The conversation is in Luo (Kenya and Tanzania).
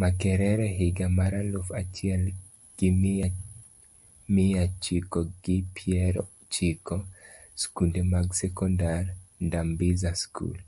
Makerere higa maraluf achiel gimiya chiko gi \piero chiko. Skunde mag sekondar, Dambiza School.